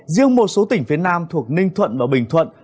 riêng một số tỉnh phía nam thuộc ninh thuận và bình thuận